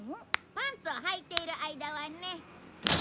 パンツをはいている間はね。